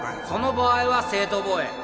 その場合は正当防衛